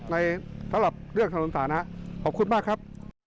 สำหรับเรื่องถนนสานะขอบคุณมากครับ